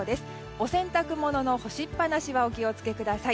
お洗濯物の干しっぱなしはお気を付けください。